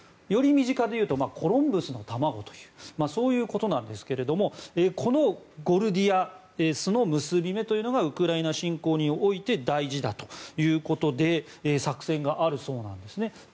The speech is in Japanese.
より身近で言うとコロンブスの卵だとそういうことなんですがこのゴルディアスの結び目というのがウクライナ侵攻において大事だということで作戦があるそうなんですね。